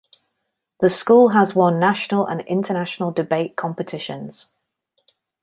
The school has won national and international debate competitions.